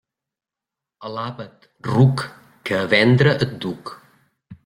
Alaba't, ruc, que a vendre et duc.